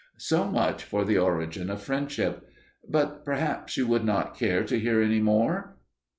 So much for the origin of friendship. But perhaps you would not care to hear any more.